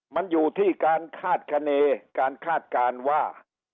มันอยู่ที่การคาดคณีการคาดการณ์ว่า